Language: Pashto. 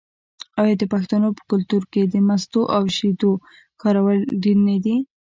آیا د پښتنو په کلتور کې د مستو او شیدو کارول ډیر نه دي؟